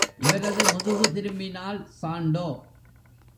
இவரது முதுகு திரும்பினால் சாண்டோ!